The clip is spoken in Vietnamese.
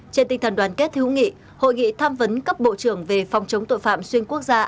trên tinh thần đoàn kết hữu nghị hội nghị tham vấn cấp bộ trưởng về phòng chống tội phạm xuyên quốc gia